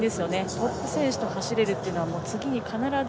トップ選手と走れるのは次に必ず。